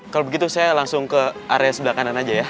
kita langsung ke area sebelah kanan aja ya